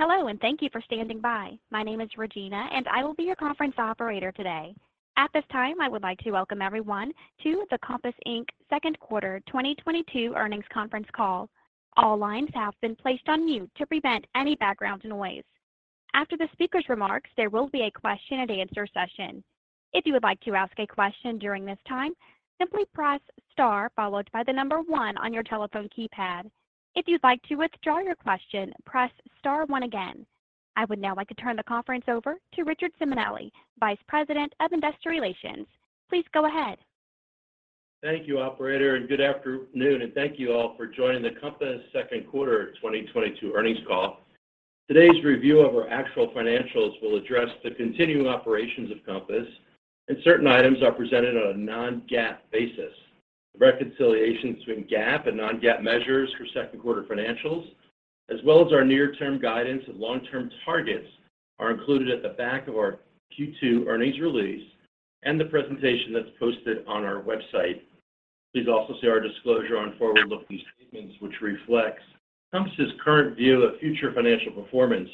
Hello, and thank you for standing by. My name is Regina, and I will be your conference operator today. At this time, I would like to welcome everyone to the Compass, Inc. Q2 2022 Earnings Conference Call. All lines have been placed on mute to prevent any background noise. After the speaker's remarks, there will be a question and answer session. If you would like to ask a question during this time, simply press star followed by the number one on your telephone keypad. If you'd like to withdraw your question, press star one again. I would now like to turn the conference over to Richard Simonelli, Vice President of Investor Relations. Please go ahead. Thank you, operator, and good afternoon, and thank you all for joining the Compass Q2 2022 earnings call. Today's review of our actual financials will address the continuing operations of Compass, and certain items are presented on a non-GAAP basis. The reconciliation between GAAP and non-GAAP measures for Q2 financials, as well as our near-term guidance and long-term targets, are included at the back of our Q2 earnings release and the presentation that's posted on our website. Please also see our disclosure on forward-looking statements, which reflects Compass's current view of future financial performance,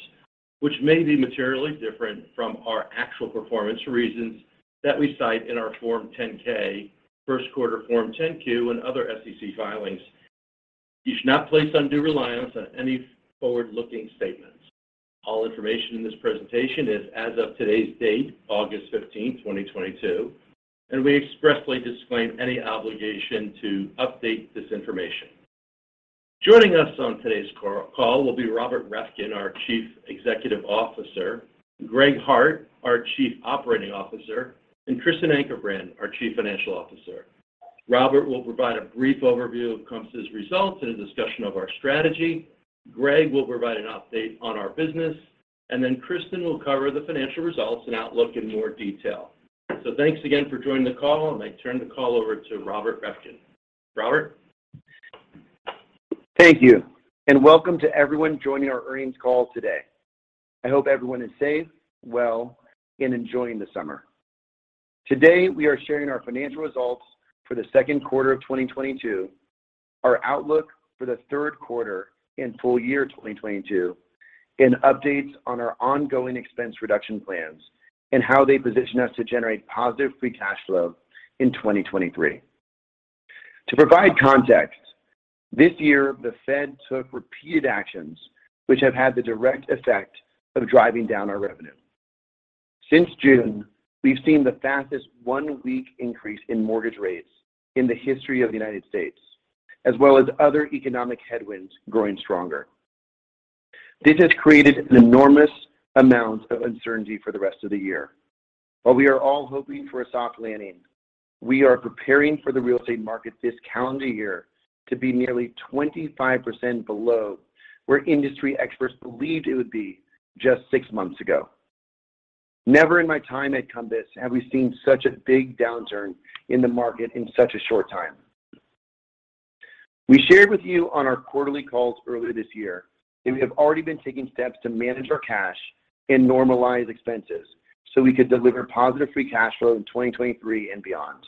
which may be materially different from our actual performance for reasons that we cite in our Form 10-K, Q1 Form 10-Q, and other SEC filings. You should not place undue reliance on any forward-looking statements. All information in this presentation is as of today's date, August fifteenth, twenty-twenty-two, and we expressly disclaim any obligation to update this information. Joining us on today's call will be Robert Reffkin, our Chief Executive Officer, Greg Hart, our Chief Operating Officer, and Kristen Ankerbrandt, our Chief Financial Officer. Robert will provide a brief overview of Compass's results and a discussion of our strategy. Greg will provide an update on our business, and then Kristen will cover the financial results and outlook in more detail. Thanks again for joining the call, and I turn the call over to Robert Reffkin. Robert? Thank you, and welcome to everyone joining our earnings call today. I hope everyone is safe, well, and enjoying the summer. Today, we are sharing our financial results for the Q2 of 2022, our outlook for the Q3 and full year 2022, and updates on our ongoing expense reduction plans and how they position us to generate positive free cash flow in 2023. To provide context, this year, the Fed took repeated actions which have had the direct effect of driving down our revenue. Since June, we've seen the fastest one-week increase in mortgage rates in the history of the United States, as well as other economic headwinds growing stronger. This has created an enormous amount of uncertainty for the rest of the year. While we are all hoping for a soft landing, we are preparing for the real estate market this calendar year to be nearly 25% below where industry experts believed it would be just six months ago. Never in my time at Compass have we seen such a big downturn in the market in such a short time. We shared with you on our quarterly calls earlier this year that we have already been taking steps to manage our cash and normalize expenses so we could deliver positive free cash flow in 2023 and beyond.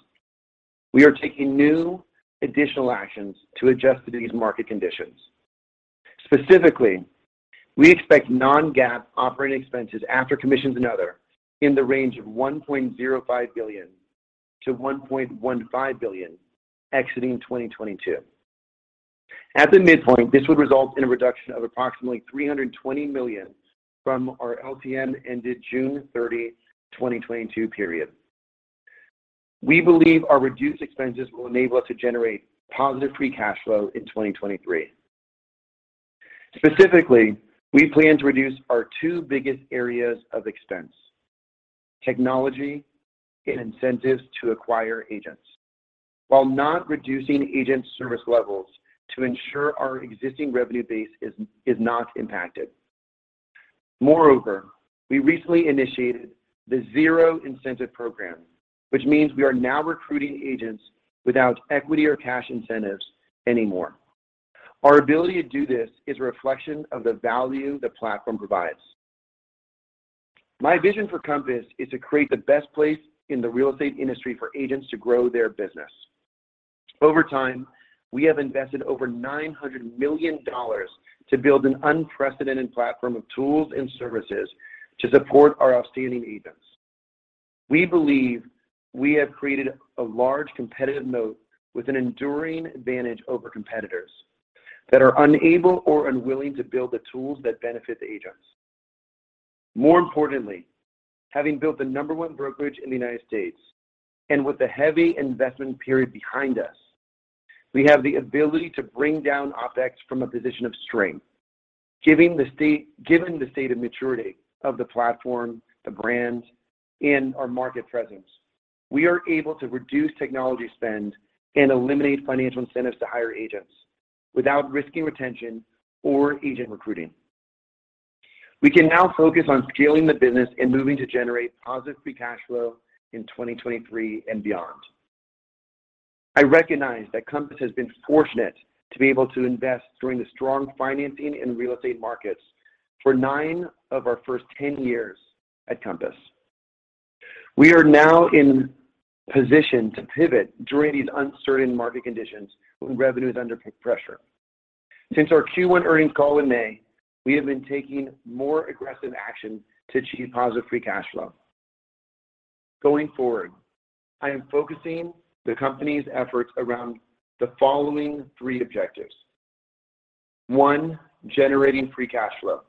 We are taking new additional actions to adjust to these market conditions. Specifically, we expect non-GAAP operating expenses after commissions and other in the range of $1.05 to 1.15 billion exiting 2022. At the midpoint, this would result in a reduction of approximately $320 million from our LTM-ended June 30, 2022 period. We believe our reduced expenses will enable us to generate positive free cash flow in 2023. Specifically, we plan to reduce our two biggest areas of expense, technology and incentives to acquire agents, while not reducing agent service levels to ensure our existing revenue base is not impacted. Moreover, we recently initiated the zero incentive program, which means we are now recruiting agents without equity or cash incentives anymore. Our ability to do this is a reflection of the value the platform provides. My vision for Compass is to create the best place in the real estate industry for agents to grow their business. Over time, we have invested over $900 million to build an unprecedented platform of tools and services to support our outstanding agents. We believe we have created a large competitive moat with an enduring advantage over competitors that are unable or unwilling to build the tools that benefit the agents. More importantly, having built the number one brokerage in the United States, and with the heavy investment period behind us, we have the ability to bring down OpEx from a position of strength. Given the state of maturity of the platform, the brand, and our market presence, we are able to reduce technology spend and eliminate financial incentives to hire agents without risking retention or agent recruiting. We can now focus on scaling the business and moving to generate positive free cash flow in 2023 and beyond. I recognize that Compass has been fortunate to be able to invest during the strong financing and real estate markets for nine of our first 10 years at Compass. We are now in position to pivot during these uncertain market conditions when revenue is under pressure. Since our Q1 earnings call in May, we have been taking more aggressive action to achieve positive free cash flow. Going forward, I am focusing the company's efforts around the following three objectives. One, generating free cash flow.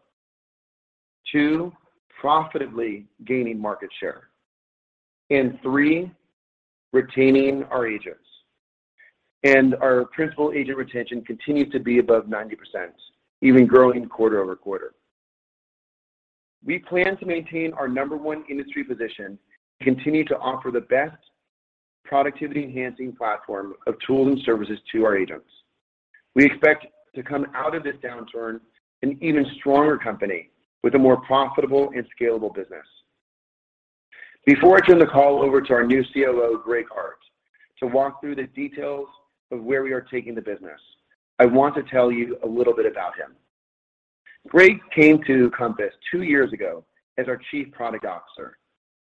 Two, profitably gaining market share. And three, retaining our agents. Our principal agent retention continues to be above 90%, even growing quarter-over-quarter. We plan to maintain our number one industry position and continue to offer the best productivity-enhancing platform of tools and services to our agents. We expect to come out of this downturn an even stronger company with a more profitable and scalable business. Before I turn the call over to our new COO, Greg Hart, to walk through the details of where we are taking the business, I want to tell you a little bit about him. Greg came to Compass two years ago as our Chief Product Officer,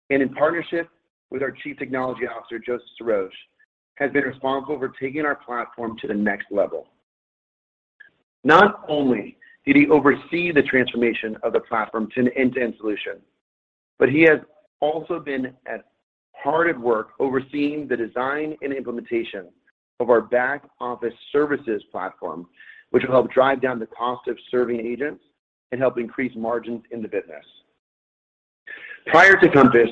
and in partnership with our Chief Technology Officer, Joseph Sirosh, has been responsible for taking our platform to the next level. Not only did he oversee the transformation of the platform to an end-to-end solution, but he has also been hard at work overseeing the design and implementation of our back-office services platform, which will help drive down the cost of serving agents and help increase margins in the business. Prior to Compass,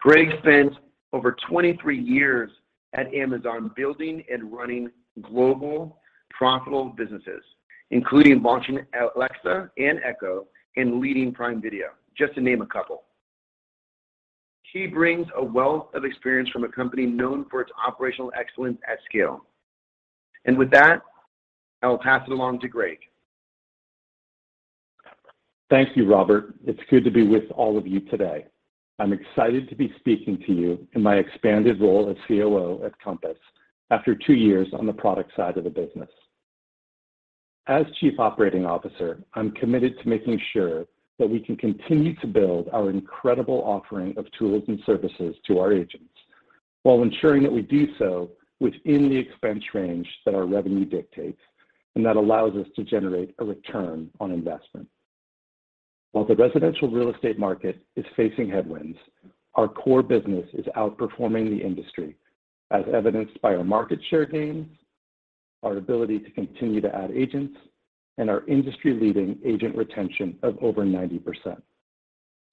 Greg spent over 23 years at Amazon building and running global profitable businesses, including launching Alexa and Echo and leading Prime Video, just to name a couple. He brings a wealth of experience from a company known for its operational excellence at scale. With that, I will pass it along to Greg. Thank you, Robert. It's good to be with all of you today. I'm excited to be speaking to you in my expanded role as COO at Compass after two years on the product side of the business. As Chief Operating Officer, I'm committed to making sure that we can continue to build our incredible offering of tools and services to our agents while ensuring that we do so within the expense range that our revenue dictates and that allows us to generate a return on investment. While the residential real estate market is facing headwinds, our core business is outperforming the industry, as evidenced by our market share gains, our ability to continue to add agents, and our industry-leading agent retention of over 90%.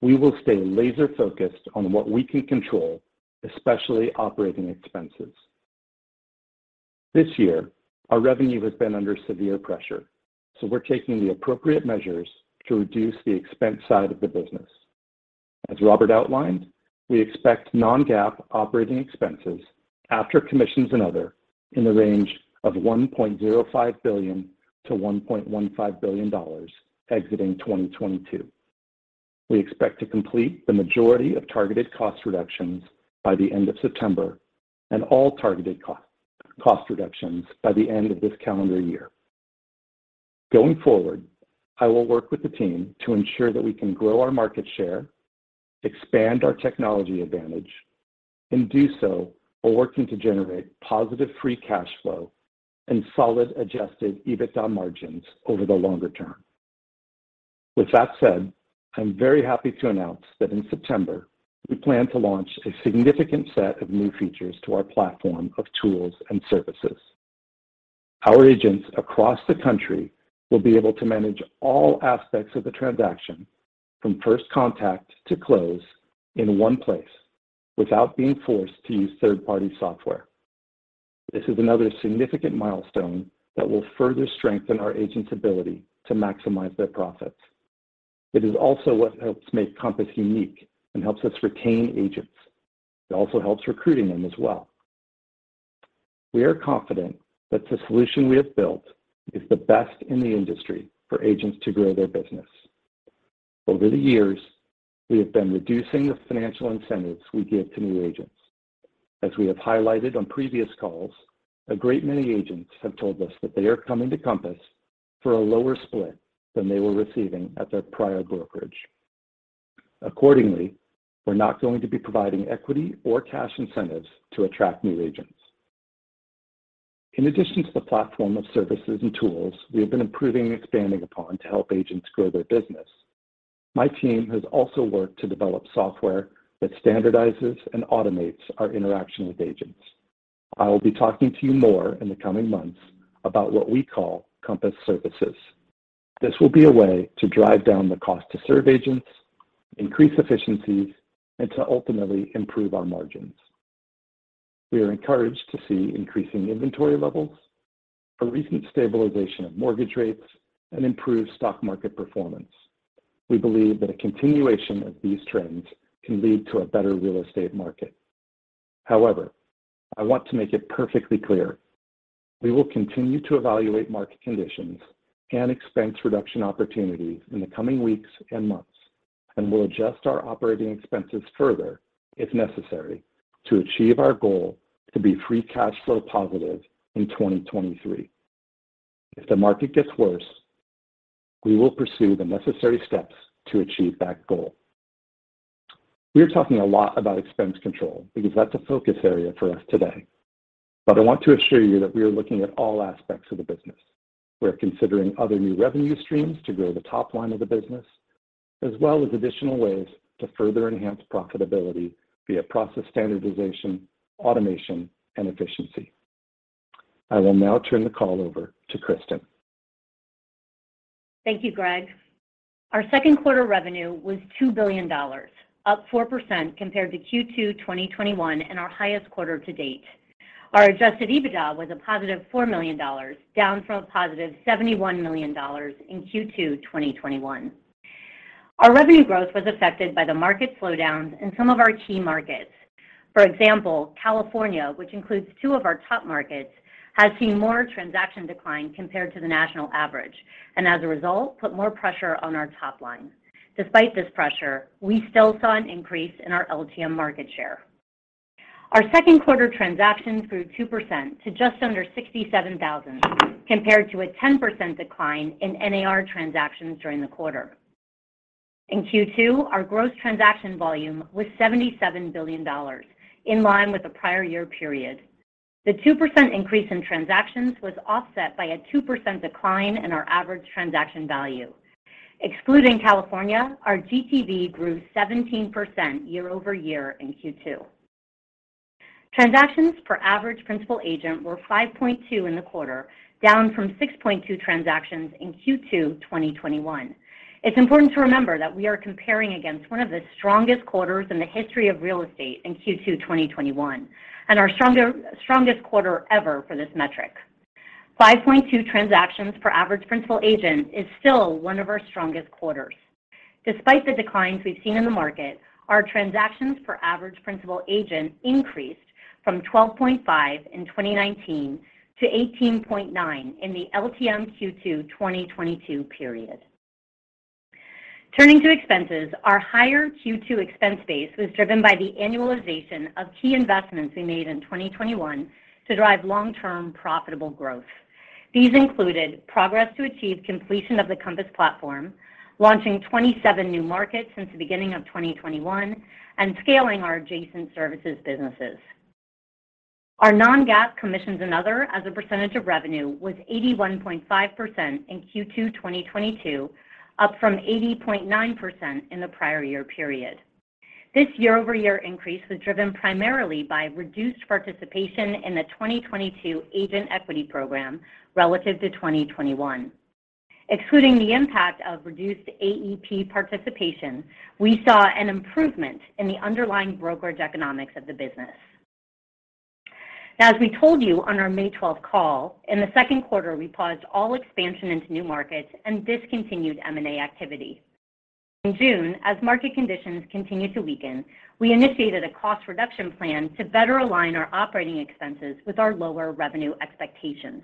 We will stay laser-focused on what we can control, especially operating expenses. This year, our revenue has been under severe pressure, so we're taking the appropriate measures to reduce the expense side of the business. As Robert outlined, we expect non-GAAP operating expenses after commissions and other in the range of $1.05 to 1.15 billion exiting 2022. We expect to complete the majority of targeted cost reductions by the end of September and all targeted cost reductions by the end of this calendar year. Going forward, I will work with the team to ensure that we can grow our market share, expand our technology advantage, and do so while working to generate positive free cash flow and solid adjusted EBITDA margins over the longer term. With that said, I'm very happy to announce that in September, we plan to launch a significant set of new features to our platform of tools and services. Our agents across the country will be able to manage all aspects of the transaction from first contact to close in one place without being forced to use third-party software. This is another significant milestone that will further strengthen our agents' ability to maximize their profits. It is also what helps make Compass unique and helps us retain agents. It also helps recruiting them as well. We are confident that the solution we have built is the best in the industry for agents to grow their business. Over the years, we have been reducing the financial incentives we give to new agents. As we have highlighted on previous calls, a great many agents have told us that they are coming to Compass for a lower split than they were receiving at their prior brokerage. Accordingly, we're not going to be providing equity or cash incentives to attract new agents. In addition to the platform of services and tools we have been improving and expanding upon to help agents grow their business, my team has also worked to develop software that standardizes and automates our interaction with agents. I will be talking to you more in the coming months about what we call Compass Services. This will be a way to drive down the cost to serve agents, increase efficiencies, and to ultimately improve our margins. We are encouraged to see increasing inventory levels, a recent stabilization of mortgage rates, and improved stock market performance. We believe that a continuation of these trends can lead to a better real estate market. However, I want to make it perfectly clear we will continue to evaluate market conditions and expense reduction opportunities in the coming weeks and months, and we'll adjust our operating expenses further if necessary to achieve our goal to be free cash flow positive in 2023. We will pursue the necessary steps to achieve that goal. We are talking a lot about expense control because that's a focus area for us today. I want to assure you that we are looking at all aspects of the business. We're considering other new revenue streams to grow the top line of the business, as well as additional ways to further enhance profitability via process standardization, automation, and efficiency. I will now turn the call over to Kristen. Thank you, Greg. Our Q2 revenue was $2 billion, up 4% compared to Q2 2021, and our highest quarter to date. Our adjusted EBITDA was a positive $4 million, down from a positive $71 million in Q2 2021. Our revenue growth was affected by the market slowdowns in some of our key markets. For example, California, which includes two of our top markets, has seen more transaction decline compared to the national average, and as a result, put more pressure on our top line. Despite this pressure, we still saw an increase in our LTM market share. Our Q2 transactions grew 2% to just under 67,000, compared to a 10% decline in NAR transactions during the quarter. In Q2, our gross transaction volume was $77 billion, in line with the prior year period. The 2% increase in transactions was offset by a 2% decline in our average transaction value. Excluding California, our GTV grew 17% year-over-year in Q2. Transactions per average principal agent were 5.2 in the quarter, down from 6.2 transactions in Q2 2021. It's important to remember that we are comparing against one of the strongest quarters in the history of real estate in Q2 2021, and our strongest quarter ever for this metric. 5.2 transactions per average principal agent is still one of our strongest quarters. Despite the declines we've seen in the market, our transactions per average principal agent increased from 12.5 in 2019 to 18.9 in the LTM Q2 2022 period. Turning to expenses, our higher Q2 expense base was driven by the annualization of key investments we made in 2021 to drive long-term profitable growth. These included progress to achieve completion of the Compass platform, launching 27 new markets since the beginning of 2021, and scaling our adjacent services businesses. Our non-GAAP commissions and other as a percentage of revenue was 81.5% in Q2 2022, up from 80.9% in the prior year period. This year-over-year increase was driven primarily by reduced participation in the 2022 agent equity program relative to 2021. Excluding the impact of reduced AEP participation, we saw an improvement in the underlying brokerage economics of the business. Now, as we told you on our May 12 call, in the Q2, we paused all expansion into new markets and discontinued M&A activity. In June, as market conditions continued to weaken, we initiated a cost reduction plan to better align our operating expenses with our lower revenue expectations.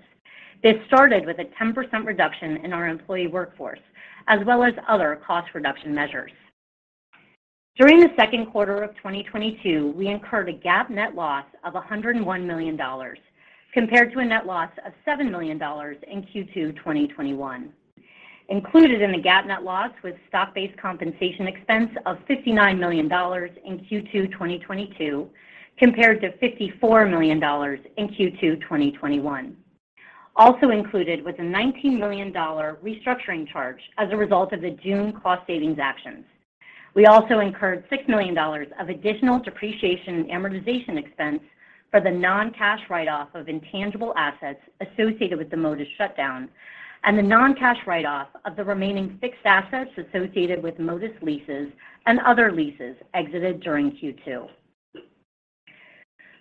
This started with a 10% reduction in our employee workforce, as well as other cost reduction measures. During the Q2 of 2022, we incurred a GAAP net loss of $101 million, compared to a net loss of $7 million in Q2 2021. Included in the GAAP net loss was stock-based compensation expense of $59 million in Q2 2022, compared to $54 million in Q2 2021. Also included was a $19 million restructuring charge as a result of the June cost savings actions. We also incurred $6 million of additional depreciation and amortization expense for the non-cash write-off of intangible assets associated with the Modus shutdown and the non-cash write-off of the remaining fixed assets associated with Modus leases and other leases exited during Q2.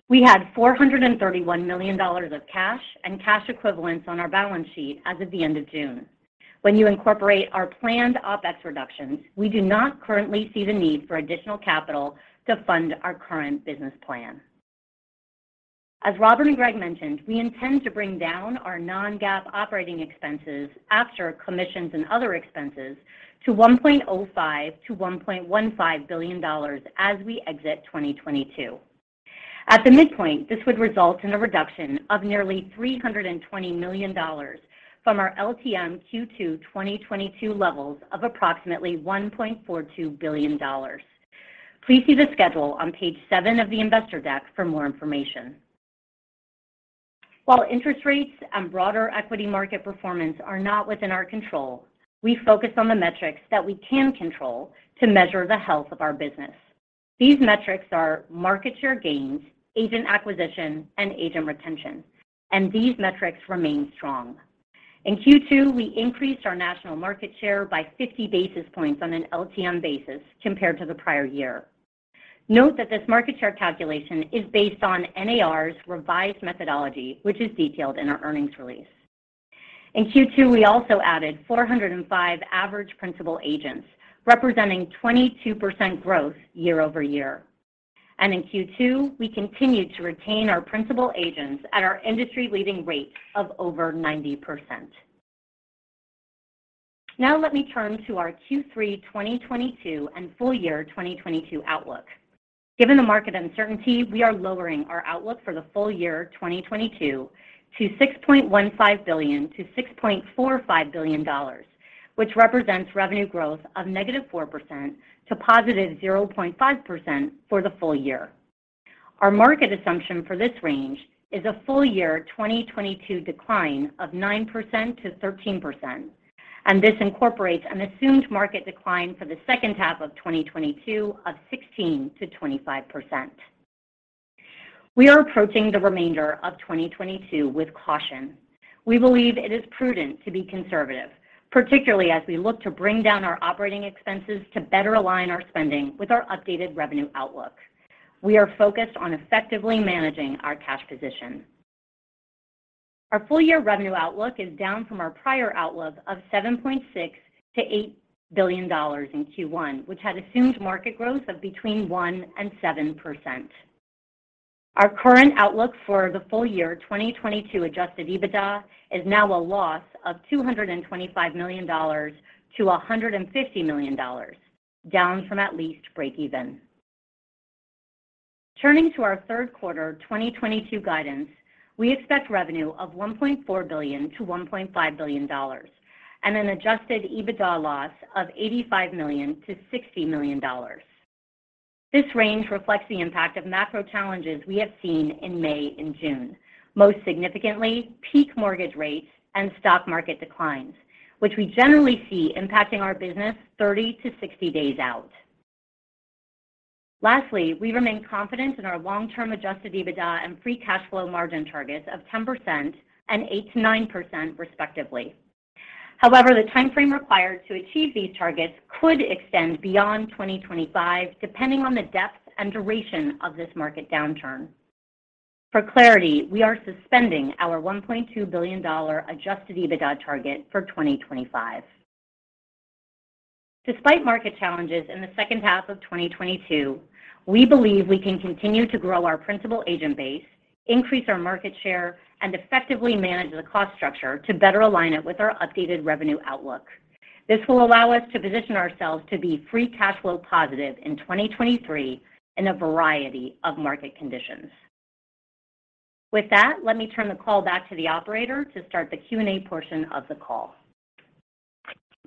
We had $431 million of cash and cash equivalents on our balance sheet as of the end of June. When you incorporate our planned OpEx reductions, we do not currently see the need for additional capital to fund our current business plan. As Robert and Greg mentioned, we intend to bring down our non-GAAP operating expenses after commissions and other expenses to $1.05 to 1.15 billion as we exit 2022. At the midpoint, this would result in a reduction of nearly $320 million from our LTM Q2 2022 levels of approximately $1.42 billion. Please see the schedule on page seven of the investor deck for more information. While interest rates and broader equity market performance are not within our control, we focus on the metrics that we can control to measure the health of our business. These metrics are market share gains, agent acquisition, and agent retention, and these metrics remain strong. In Q2, we increased our national market share by 50 basis points on an LTM basis compared to the prior year. Note that this market share calculation is based on NAR's revised methodology, which is detailed in our earnings release. In Q2, we also added 405 average principal agents, representing 22% growth year-over-year. In Q2, we continued to retain our principal agents at our industry-leading rate of over 90%. Now let me turn to our Q3 2022 and full year 2022 outlook. Given the market uncertainty, we are lowering our outlook for the full year 2022 to $6.15 to 6.45 billion, which represents revenue growth of -4% to +0.5% for the full year. Our market assumption for this range is a full year 2022 decline of 9% to 13%, and this incorporates an assumed market decline for the second half of 2022 of 16% to 25%. We are approaching the remainder of 2022 with caution. We believe it is prudent to be conservative, particularly as we look to bring down our operating expenses to better align our spending with our updated revenue outlook. We are focused on effectively managing our cash position. Our full year revenue outlook is down from our prior outlook of $7.6 to 8 billion in Q1, which had assumed market growth of between 1% and 7%. Our current outlook for the full year 2022 adjusted EBITDA is now a loss of $225 to 150 million, down from at least breakeven. Turning to our Q3 2022 guidance, we expect revenue of $1.4 to 1.5 billion and an adjusted EBITDA loss of $85 to 60 million. This range reflects the impact of macro challenges we have seen in May and June. Most significantly, peak mortgage rates and stock market declines, which we generally see impacting our business 30 to 60 days out. Lastly, we remain confident in our long-term adjusted EBITDA and free cash flow margin targets of 10% and 8% to 9% respectively. However, the timeframe required to achieve these targets could extend beyond 2025, depending on the depth and duration of this market downturn. For clarity, we are suspending our $1.2 billion adjusted EBITDA target for 2025. Despite market challenges in the second half of 2022, we believe we can continue to grow our principal agent base, increase our market share, and effectively manage the cost structure to better align it with our updated revenue outlook. This will allow us to position ourselves to be free cash flow positive in 2023 in a variety of market conditions. With that, let me turn the call back to the operator to start the Q&A portion of the call.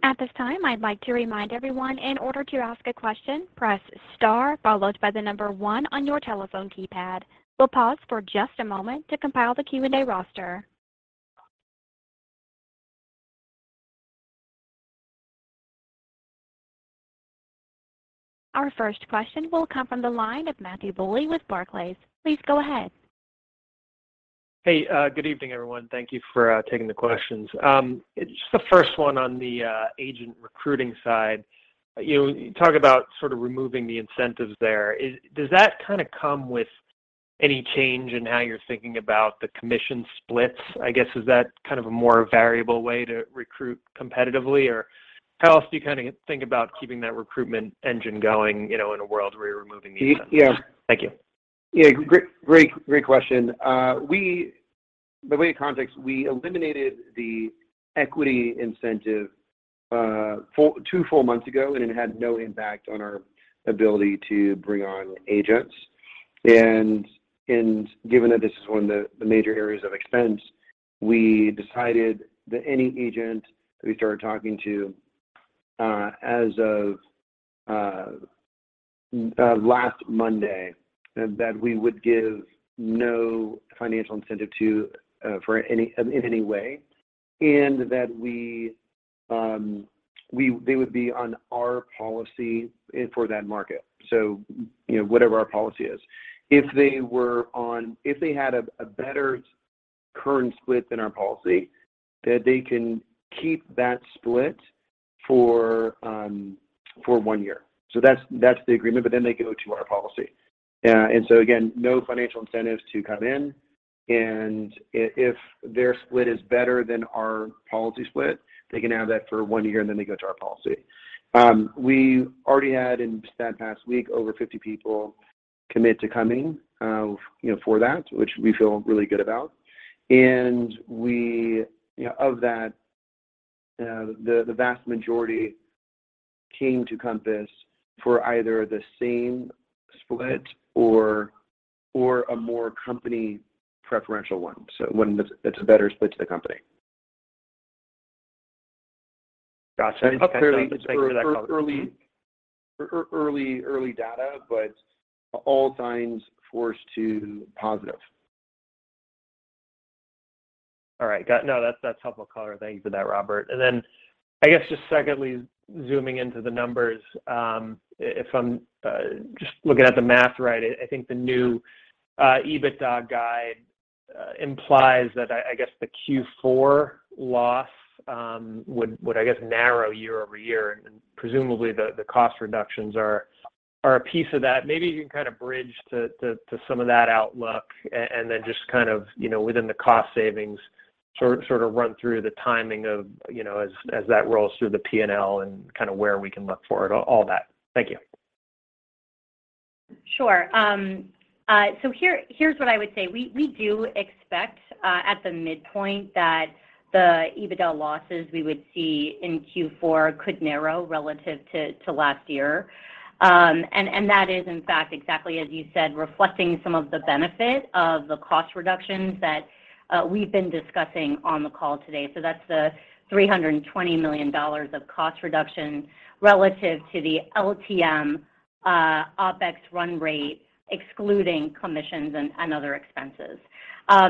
At this time, I'd like to remind everyone, in order to ask a question, press star followed by the number one on your telephone keypad. We'll pause for just a moment to compile the Q&A roster. Our first question will come from the line of Matthew Bouley with Barclays. Please go ahead. Hey, good evening, everyone. Thank you for taking the questions. Just the first one on the agent recruiting side. You talk about sort of removing the incentives there. Does that kind of come with any change in how you're thinking about the commission splits? I guess, is that kind of a more variable way to recruit competitively? Or how else do you kinda think about keeping that recruitment engine going, you know, in a world where you're removing the incentives? Yeah. Thank you. Great question. By way of context, we eliminated the equity incentive two full months ago, and it had no impact on our ability to bring on agents. Given that this is one of the major areas of expense, we decided that any agent that we started talking to as of last Monday, that we would give no financial incentive to in any way, and that they would be on our policy for that market. You know, whatever our policy is. If they had a better current split than our policy, that they can keep that split for one year. That's the agreement, but then they go to our policy. Again, no financial incentives to come in. If their split is better than our policy split, they can have that for one year, and then they go to our policy. We already had, in that past week, over 50 people commit to coming, you know, for that, which we feel really good about. We, you know, of that, the vast majority came to Compass for either the same split or a more company preferential one, so one that's a better split to the company. Gotcha. Early data, but all signs point to positive. All right. That's helpful color. Thank you for that, Robert. Then I guess just secondly, zooming into the numbers, if I'm just looking at the math right, I think the new EBITDA guide implies that I guess the Q4 loss would I guess narrow year-over-year. Presumably the cost reductions are a piece of that. Maybe you can kind of bridge to some of that outlook and then just kind of, you know, within the cost savings, sort of run through the timing of, you know, as that rolls through the P&L and kind of where we can look for it, all that. Thank you. Sure. Here, here's what I would say. We do expect at the midpoint that the EBITDA losses we would see in Q4 could narrow relative to last year. That is in fact exactly as you said, reflecting some of the benefit of the cost reductions that we've been discussing on the call today. That's the $300 million of cost reduction relative to the LTM OpEx run rate, excluding commissions and other expenses.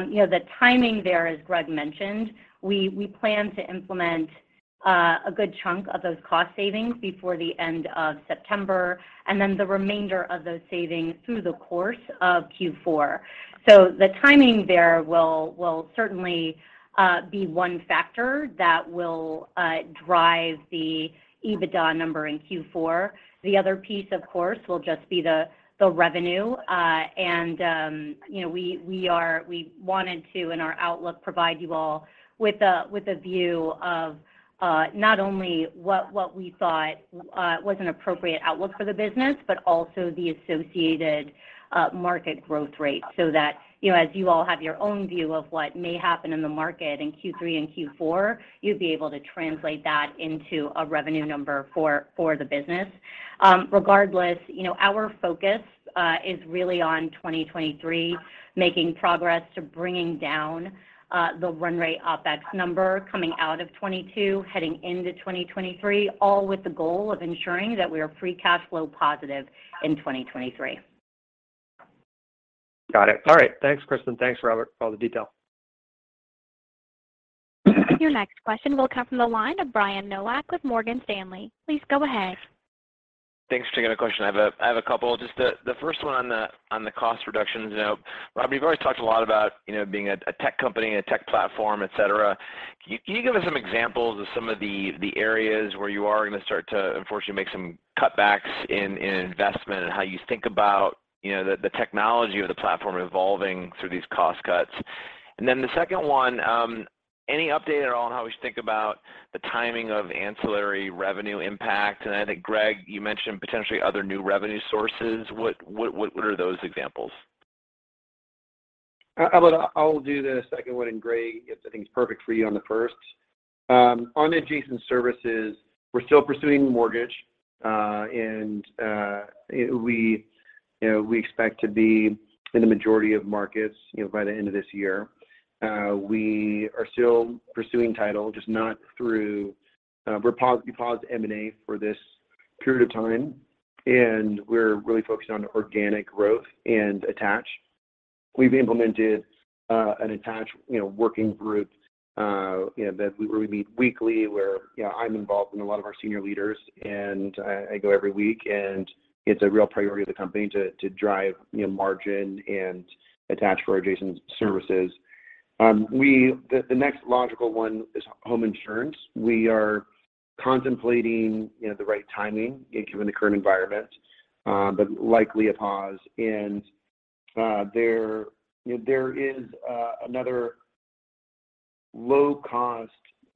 You know, the timing there, as Greg mentioned, we plan to implement a good chunk of those cost savings before the end of September, and then the remainder of those savings through the course of Q4. The timing there will certainly be one factor that will drive the EBITDA number in Q4. The other piece, of course, will just be the revenue. You know, we wanted to, in our outlook, provide you all with a view of not only what we thought was an appropriate outlook for the business, but also the associated market growth rate. That, you know, as you all have your own view of what may happen in the market in Q3 and Q4, you'd be able to translate that into a revenue number for the business. Regardless, you know, our focus is really on 2023, making progress to bringing down the run rate OpEx number coming out of 2022, heading into 2023, all with the goal of ensuring that we are free cash flow positive in 2023. Got it. All right. Thanks, Kristen. Thanks, Robert, for all the detail. Your next question will come from the line of Brian Nowak with Morgan Stanley. Please go ahead. Thanks. Just got a question. I have a couple. Just the first one on the cost reductions. You know, Robert, you've already talked a lot about, you know, being a tech company and a tech platform, et cetera. Can you give us some examples of some of the areas where you are gonna start to unfortunately make some cutbacks in investment and how you think about, you know, the technology of the platform evolving through these cost cuts? The second one, any update at all on how we should think about the timing of ancillary revenue impact? I think, Greg, you mentioned potentially other new revenue sources. What are those examples? I'll do the second one, and Greg, I think it's perfect for you on the first. On adjacent services, we're still pursuing mortgage, and we expect to be in the majority of markets by the end of this year. We are still pursuing title, just not through. We paused M&A for this period of time, and we're really focused on organic growth and attach. We've implemented an attach working group that we really meet weekly where you know, I'm involved and a lot of our senior leaders, and I go every week, and it's a real priority of the company to drive margin and attach for adjacent services. The next logical one is home insurance. We are contemplating, you know, the right timing given the current environment, but likely a pause. You know, there is another low cost,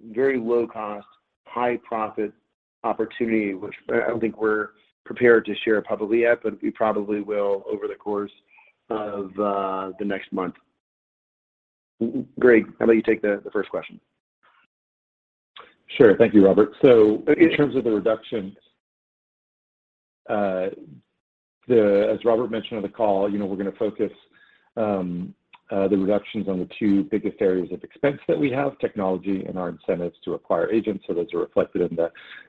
very low cost, high profit opportunity, which I don't think we're prepared to share publicly yet, but we probably will over the course of the next month. Greg, how about you take the first question? Sure. Thank you, Robert. In terms of the reduction, the, as Robert mentioned on the call, you know, we're gonna focus, the reductions on the two biggest areas of expense that we have, technology and our incentives to acquire agents. Those are reflected in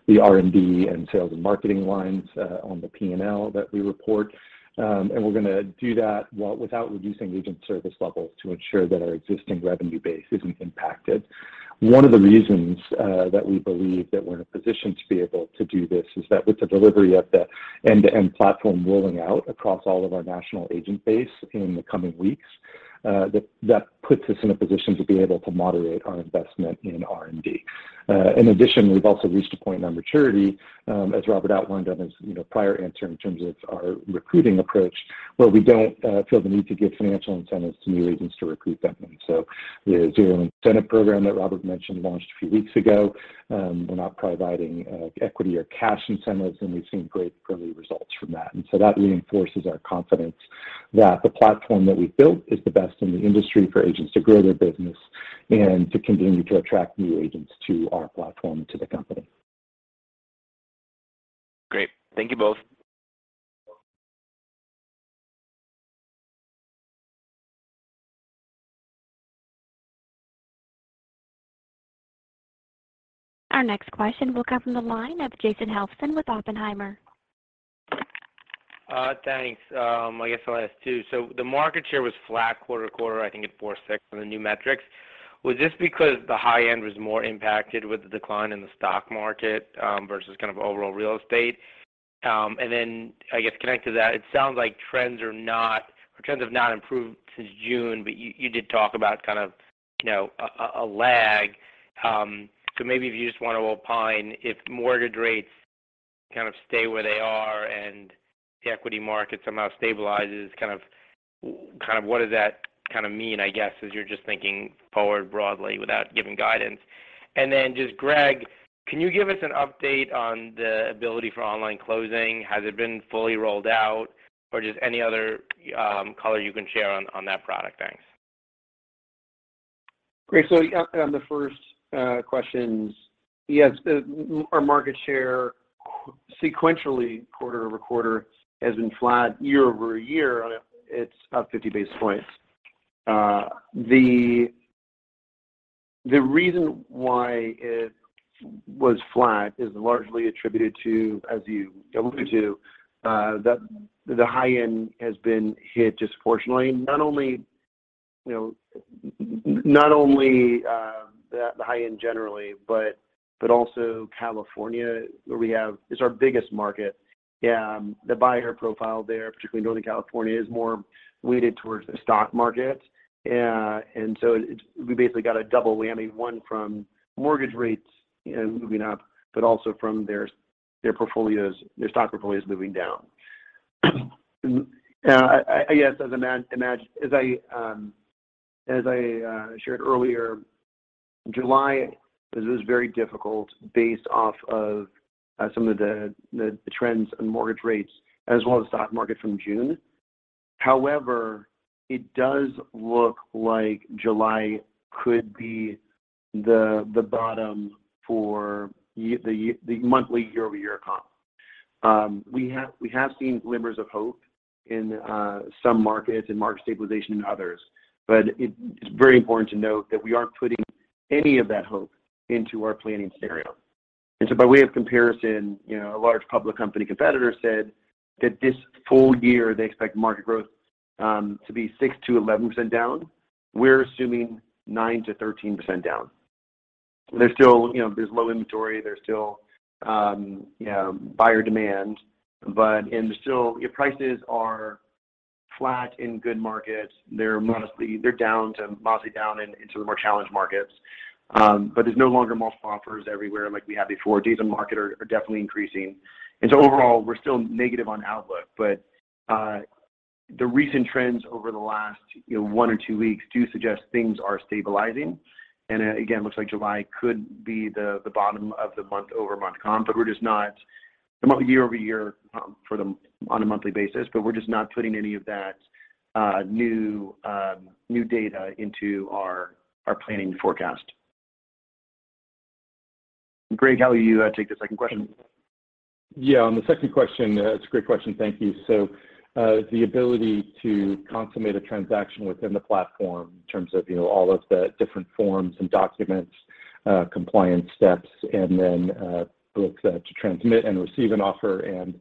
the R&D and sales and marketing lines, on the P&L that we report. And we're gonna do that while without reducing agent service levels to ensure that our existing revenue base isn't impacted. One of the reasons, that we believe that we're in a position to be able to do this is that with the delivery of the end-to-end platform rolling out across all of our national agent base in the coming weeks, that puts us in a position to be able to moderate our investment in R&D. In addition, we've also reached a point of maturity, as Robert outlined in his, you know, prior answer in terms of our recruiting approach, where we don't feel the need to give financial incentives to new agents to recruit them. The zero incentive program that Robert mentioned launched a few weeks ago. We're not providing equity or cash incentives, and we've seen great early results from that. That reinforces our confidence that the platform that we've built is the best in the industry for agents to grow their business and to continue to attract new agents to our platform and to the company. Great. Thank you both. Our next question will come from the line of Jason Helfstein with Oppenheimer & Co. Thanks. I guess I'll ask two. The market share was flat quarter-over-quarter, I think at 4.6% on the new metrics. Was this because the high end was more impacted with the decline in the stock market versus kind of overall real estate? I guess connected to that, it sounds like trends have not improved since June, but you did talk about kind of, you know, a lag. Maybe if you just want to opine if mortgage rates kind of stay where they are and the equity market somehow stabilizes, kind of what does that kind of mean, I guess, as you're just thinking forward broadly without giving guidance? Just Greg, can you give us an update on the ability for online closing? Has it been fully rolled out or just any other color you can share on that product? Thanks. Great. Yeah, on the first questions, yes, our market share sequentially quarter-over-quarter has been flat. Year-over-year, it's up 50 basis points. The reason why it was flat is largely attributed to, as you alluded to, that the high-end has been hit disproportionately. Not only, you know, the high-end generally, but also California where we have. It's our biggest market. Yeah, the buyer profile there, particularly Northern California, is more weighted towards the stock market. And so we basically got a double whammy, one from mortgage rates, you know, moving up, but also from their stock portfolios moving down. Yes, as I imagine. As I shared earlier, July was very difficult based off of some of the trends in mortgage rates as well as the stock market from June. However, it does look like July could be the bottom for the monthly year-over-year comp. We have seen glimmers of hope in some markets and market stabilization in others. It's very important to note that we aren't putting any of that hope into our planning scenario. By way of comparison, you know, a large public company competitor said that this full year they expect market growth to be 6%-11% down. We're assuming 9%-13% down. There's still, you know, low inventory. There's still, you know, buyer demand, and still home prices are flat in good markets. They're modestly down in the more challenged markets. But there's no longer multiple offers everywhere like we had before. Days on market are definitely increasing. Overall, we're still negative on outlook. The recent trends over the last, you know, one or two weeks do suggest things are stabilizing. Again, looks like July could be the bottom of the month-over-month comp, but we're just not putting any of that new data into our planning forecast. Greg, how will you take the second question? Yeah. On the second question, it's a great question. Thank you. The ability to consummate a transaction within the platform in terms of, you know, all of the different forms and documents, compliance steps, and then the ability to transmit and receive an offer and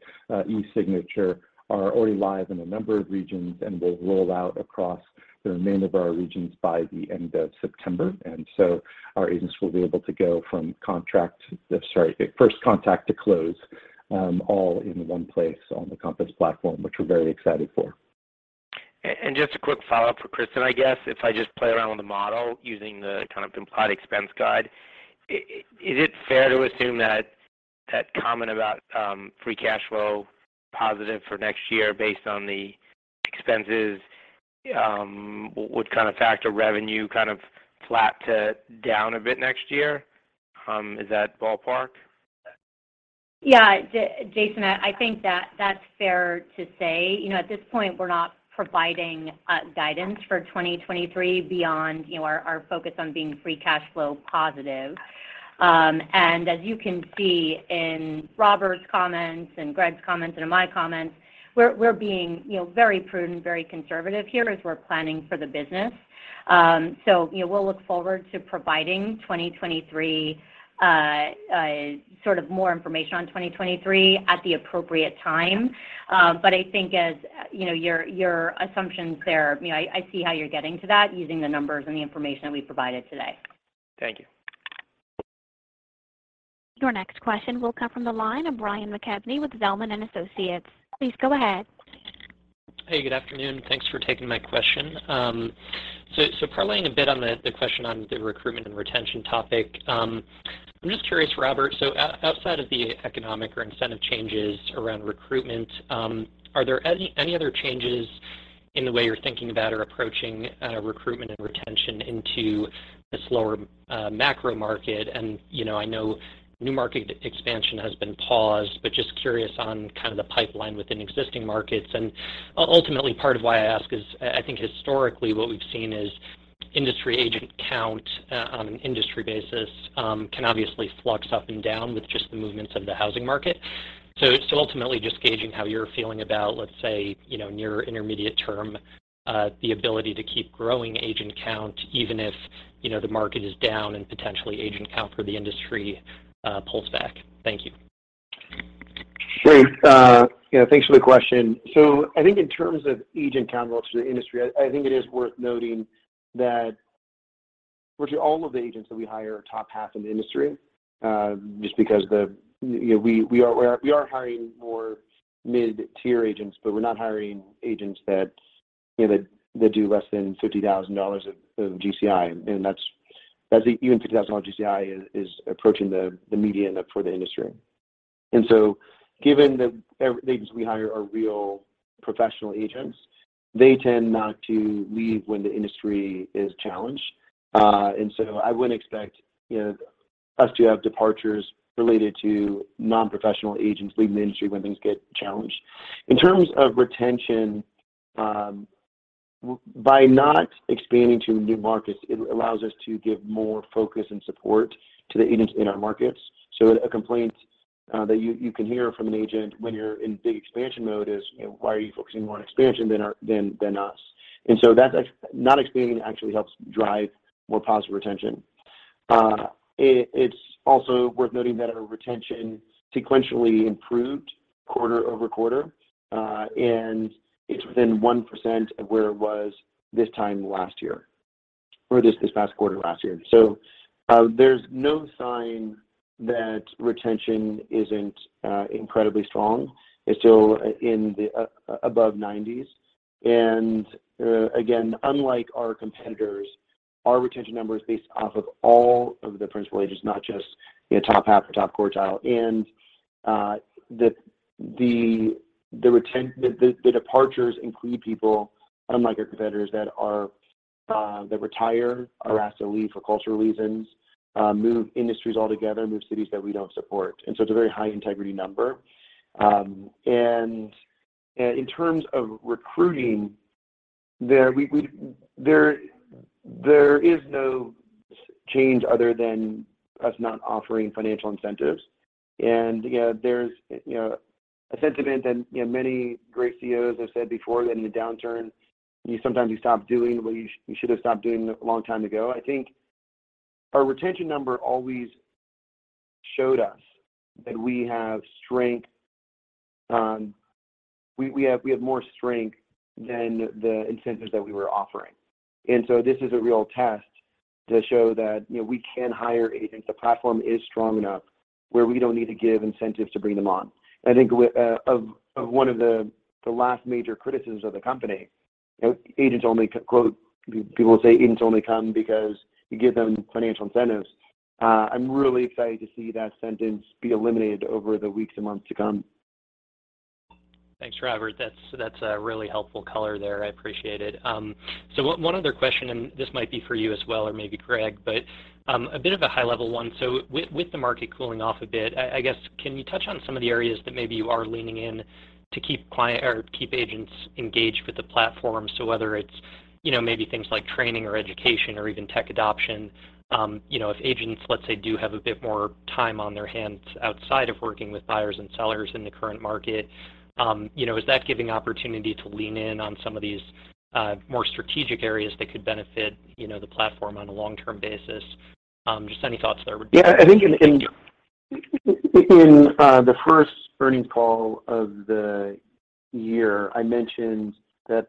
e-signature are already live in a number of regions and will roll out across the remainder of our regions by the end of September. Our agents will be able to go from first contact to close, all in one place on the Compass platform, which we're very excited for. Just a quick follow-up for Kristen, I guess. If I just play around with the model using the kind of implied expense guidance, is it fair to assume that comment about free cash flow positive for next year based on the expenses would kind of factor revenue kind of flat to down a bit next year? Is that ballpark? Yeah. Jason, I think that's fair to say. You know, at this point, we're not providing guidance for 2023 beyond, you know, our focus on being free cash flow positive. And as you can see in Robert's comments and Greg's comments and in my comments, we're being, you know, very prudent, very conservative here as we're planning for the business. You know, we'll look forward to providing 2023 sort of more information on 2023 at the appropriate time. I think as, you know, your assumptions there, you know, I see how you're getting to that using the numbers and the information that we provided today. Thank you. Your next question will come from the line of Ryan McKeveny with Zelman & Associates. Please go ahead. Hey, good afternoon. Thanks for taking my question. So parlaying a bit on the question on the recruitment and retention topic, I'm just curious, Robert, so outside of the economic or incentive changes around recruitment, are there any other changes in the way you're thinking about or approaching recruitment and retention into this lower macro market? You know, I know new market expansion has been paused, but just curious on kind of the pipeline within existing markets. Ultimately part of why I ask is, I think historically what we've seen is industry agent count on an industry basis can obviously flux up and down with just the movements of the housing market. Ultimately just gauging how you're feeling about, let's say, you know, near intermediate term, the ability to keep growing agent count, even if, you know, the market is down and potentially agent count for the industry, pulls back. Thank you. Great. You know, thanks for the question. I think in terms of agent count relative to the industry, I think it is worth noting that virtually all of the agents that we hire are top half in the industry, just because you know we are hiring more mid-tier agents, but we're not hiring agents that you know that do less than $50,000 of GCI. That's even $50,000 GCI is approaching the median for the industry. Given that every agents we hire are real professional agents, they tend not to leave when the industry is challenged. I wouldn't expect, you know, us to have departures related to non-professional agents leaving the industry when things get challenged. In terms of retention, by not expanding to new markets, it allows us to give more focus and support to the agents in our markets. A complaint that you can hear from an agent when you're in big expansion mode is, you know, "Why are you focusing more on expansion than us?" Not expanding actually helps drive more positive retention. It's also worth noting that our retention sequentially improved quarter-over-quarter, and it's within 1% of where it was this time last year or just this past quarter last year. There's no sign that retention isn't incredibly strong. It's still in the above nineties. Again, unlike our competitors, our retention number is based off of all of the principal agents, not just the top half or top quartile. The departures include people, unlike our competitors, that retire, are asked to leave for cultural reasons, move industries altogether, move cities that we don't support. It's a very high integrity number. In terms of recruiting, there is no change other than us not offering financial incentives. You know, there's you know, a sentiment that you know, many great CEOs have said before that in a downturn, you sometimes stop doing what you should have stopped doing a long time ago. I think our retention number always showed us that we have strength. We have more strength than the incentives that we were offering. This is a real test to show that, you know, we can hire agents. The platform is strong enough where we don't need to give incentives to bring them on. I think of one of the last major criticisms of the company, you know, agents only. Quote, people say, "Agents only come because you give them financial incentives." I'm really excited to see that sentence be eliminated over the weeks and months to come. Thanks, Robert. That's a really helpful color there. I appreciate it. One other question, and this might be for you as well or maybe Greg, but a bit of a high-level one. With the market cooling off a bit, I guess, can you touch on some of the areas that maybe you are leaning in to keep agents engaged with the platform? Whether it's, you know, maybe things like training or education or even tech adoption. You know, if agents, let's say, do have a bit more time on their hands outside of working with buyers and sellers in the current market, you know, is that giving opportunity to lean in on some of these more strategic areas that could benefit, you know, the platform on a long-term basis? Just any thoughts there would be great. Thank you. Yeah, I think in the first earnings call of the year, I mentioned that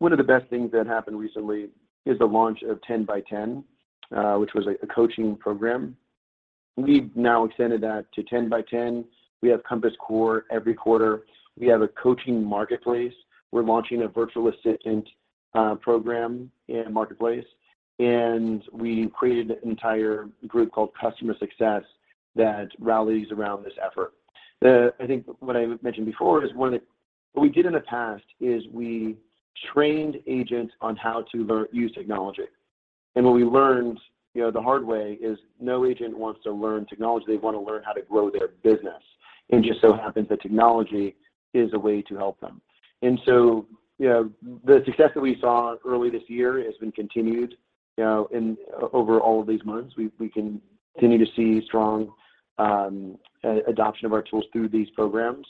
one of the best things that happened recently is the launch of 10x10, which was a coaching program. We've now extended that to 10x10. We have Compass CORE every quarter. We have a coaching marketplace. We're launching a virtual assistant program in the marketplace. We created an entire group called Customer Success that rallies around this effort. I think what I mentioned before is one of the. What we did in the past is we trained agents on how to use technology. What we learned, you know, the hard way is no agent wants to learn technology. They want to learn how to grow their business. It just so happens that technology is a way to help them. You know, the success that we saw early this year has been continued, you know, over all of these months. We continue to see strong adoption of our tools through these programs.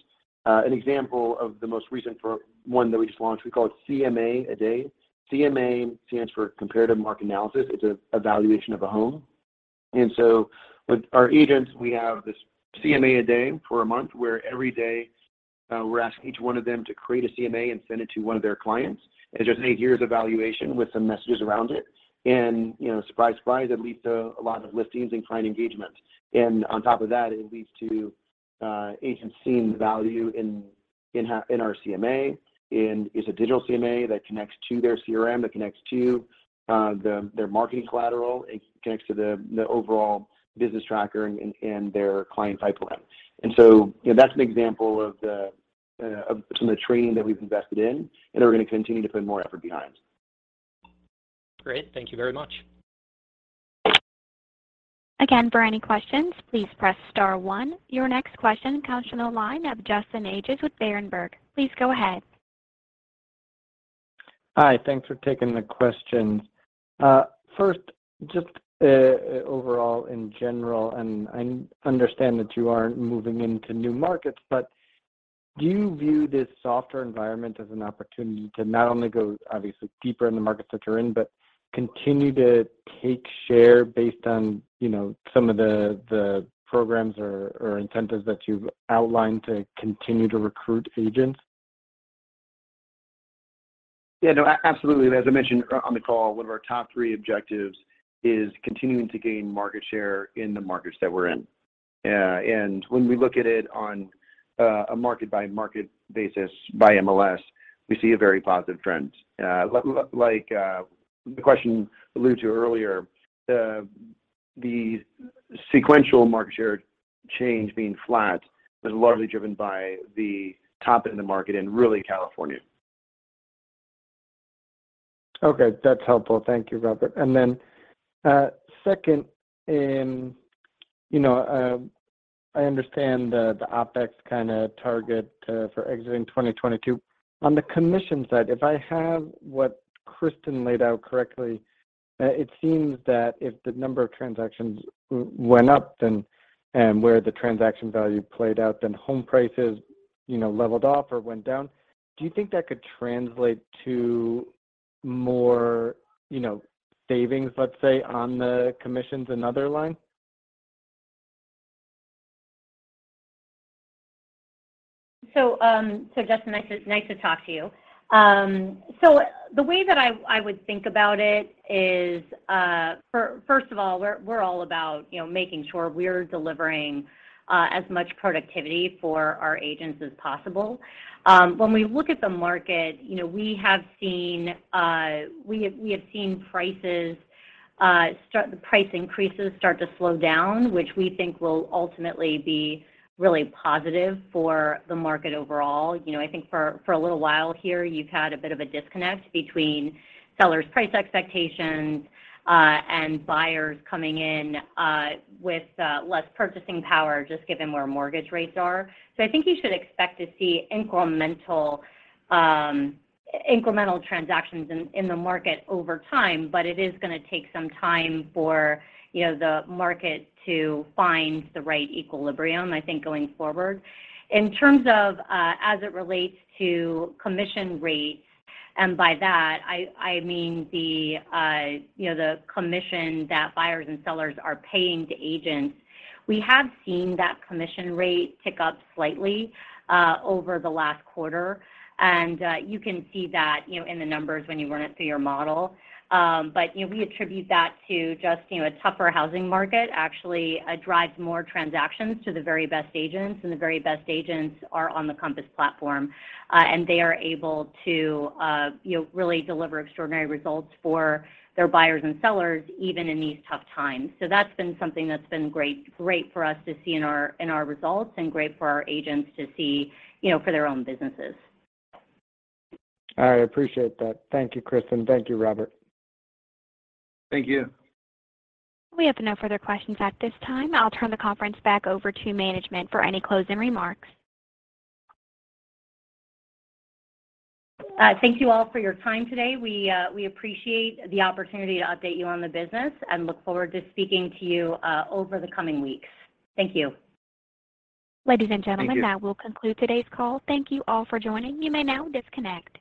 An example of the most recent one that we just launched, we call it CMA a Day. CMA stands for comparative market analysis. It's an evaluation of a home. With our agents, we have this CMA a Day for a month, where every day we're asking each one of them to create a CMA and send it to one of their clients as just a here's evaluation with some messages around it. You know, surprise, it leads to a lot of listings and client engagement. On top of that, it leads to agents seeing the value in our CMA, and it's a digital CMA that connects to their CRM, that connects to their marketing collateral. It connects to the overall business tracker and their client pipeline. You know, that's an example of some of the training that we've invested in and that we're gonna continue to put more effort behind. Great. Thank you very much. Again, for any questions, please press star one. Your next question comes from the line of Justin Ages with Berenberg. Please go ahead. Hi. Thanks for taking the questions. First, just overall in general, I understand that you aren't moving into new markets, but do you view this softer environment as an opportunity to not only go obviously deeper in the markets that you're in, but continue to take share based on, you know, some of the programs or incentives that you've outlined to continue to recruit agents? Yeah, no, absolutely. As I mentioned on the call, one of our top three objectives is continuing to gain market share in the markets that we're in. When we look at it on a market-by-market basis by MLS, we see a very positive trend. Like, the question alluded to earlier, the sequential market share change being flat is largely driven by the top end of the market and really California. Okay. That's helpful. Thank you, Robert. Second, I understand the OpEx kinda target for exiting 2022. On the commission side, if I have what Kristen laid out correctly, it seems that if the number of transactions went up, then and where the transaction value played out, then home prices, you know, leveled off or went down. Do you think that could translate to more, you know, savings, let's say, on the commissions and other line? Justin, nice to talk to you. The way that I would think about it is, first of all, we're all about, you know, making sure we're delivering as much productivity for our agents as possible. When we look at the market, you know, we have seen price increases start to slow down, which we think will ultimately be really positive for the market overall. You know, I think for a little while here, you've had a bit of a disconnect between sellers' price expectations and buyers coming in with less purchasing power just given where mortgage rates are. I think you should expect to see incremental transactions in the market over time, but it is gonna take some time for you know, the market to find the right equilibrium, I think, going forward. In terms of as it relates to commission rates, and by that I mean the you know, the commission that buyers and sellers are paying to agents. We have seen that commission rate tick up slightly over the last quarter. You can see that you know, in the numbers when you run it through your model. But you know, we attribute that to just you know, a tougher housing market actually drives more transactions to the very best agents, and the very best agents are on the Compass platform. They are able to, you know, really deliver extraordinary results for their buyers and sellers, even in these tough times. That's been something that's been great for us to see in our results and great for our agents to see, you know, for their own businesses. All right. I appreciate that. Thank you, Kristen. Thank you, Robert. Thank you. We have no further questions at this time. I'll turn the conference back over to management for any closing remarks. Thank you all for your time today. We appreciate the opportunity to update you on the business and look forward to speaking to you over the coming weeks. Thank you. Ladies and gentlemen. Thank you. That will conclude today's call. Thank you all for joining. You may now disconnect.